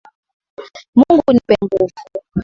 Mungu nipe nguvu.